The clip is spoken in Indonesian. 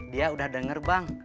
dia udah denger bang